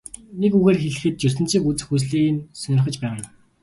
Нэг үгээр хэлэхэд ертөнцийг үзэх үзлий нь сонирхож байгаа юм.